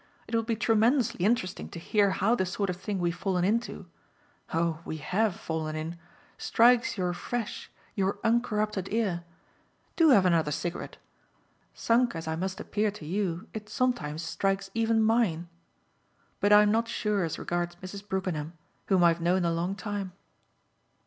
It will be tremendously interesting to hear how the sort of thing we've fallen into oh we HAVE fallen in! strikes your fresh, your uncorrupted ear. Do have another cigarette. Sunk as I must appear to you it sometimes strikes even mine. But I'm not sure as regards Mrs. Brookenham, whom I've known a long time."